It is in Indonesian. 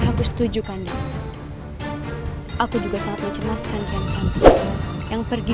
aku setujukan aku juga sangat mecemaskan yang pergi